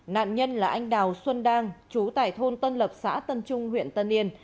nạn nhân là anh đào xuân đang chú tại thôn tân lập xã tân trung huyện tân yên